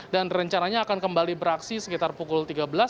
dan rencananya akan kembali beraksi sekitar pukul tiga belas